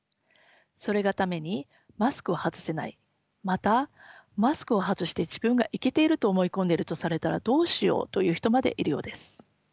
それがためにマスクを外せないまたマスクを外して自分がイケていると思い込んでいるとされたらどうしようという人までいるようです。